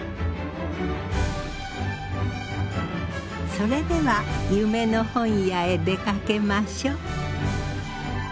それでは夢の本屋へ出かけましょう。